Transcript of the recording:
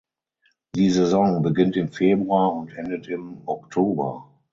Die Saison beginnt im Februar und endet im Oktober.